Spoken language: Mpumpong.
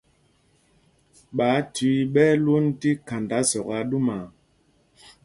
Ɓááthüii ɓɛ́ ɛ́ lwond tí khanda zɔk aa ɗumaa.